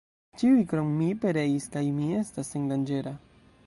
Ĉiuj krom mi pereis, kaj mi estas sendanĝera!